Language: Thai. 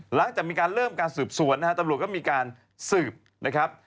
หลังจากมีการเริ่มการสืบสวนนะฮะตำรวจก็มีการสืบนะครับ